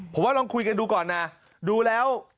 ผมว่าลองคุยกันดูก่อนนะดูแล้ว